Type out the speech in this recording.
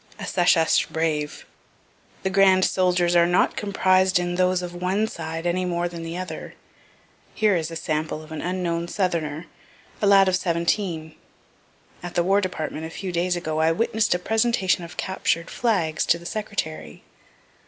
A SECESH BRAVE The grand soldiers are not comprised in those of one side, any more than the other. Here is a sample of an unknown southerner, a lad of seventeen. At the War department, a few days ago, I witness'd a presentation of captured flags to the Secretary.